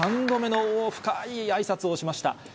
３度目の深いあいさつをしました。